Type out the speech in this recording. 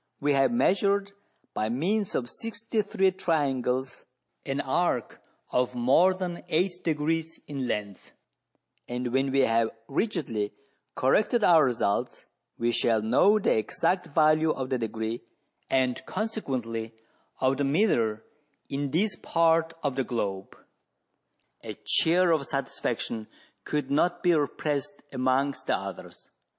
We have measured, by means of sixty three triangles, an arc of more than eight degrees in lenc^th ; and when we have rigidly corrected our results, we shall know the exact value of the degree, and consequently of the mHre, in this part of the globe." A cheer of satisfaction could not be repressed amongst the others.